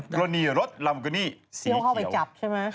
กรณีรถลามโบกินี่สีเขียว